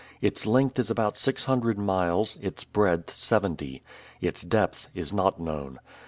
Its length is about six hundred miles, its breadth seventy. Its depth is not known.